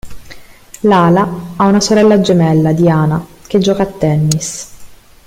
Lala ha una sorella gemella, Diana, che gioca a tennis.